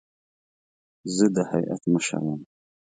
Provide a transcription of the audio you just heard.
زه د هیات مشر وم.